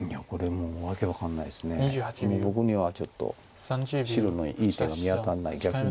もう僕にはちょっと白のいい手が見当たらない逆に。